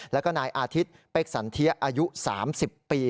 แล้วก็นายอาทิตย์เป๊กสันเทียอายุ๓๐ปี